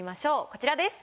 こちらです。